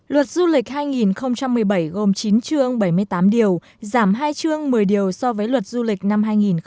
luật du lịch hai nghìn một mươi bảy gồm chín chương bảy mươi tám điều giảm hai chương một mươi điều so với luật du lịch năm hai nghìn một mươi bảy